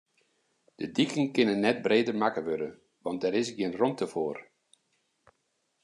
De diken kinne net breder makke wurde, want dêr is gjin romte foar.